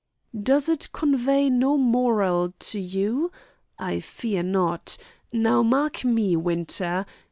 "Does it convey no moral to you? I fear not. Now mark me, Winter.